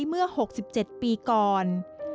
เมื่อ๖๗ปีก่อน